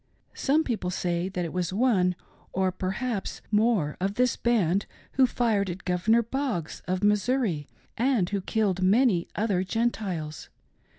Some people say that it was one or perhaps more of this band who fired at Governor Boggs, of Missouri, and who killed many other Gentiles.